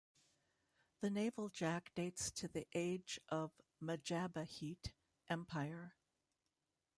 The naval jack dates to the age of Majapahit Empire.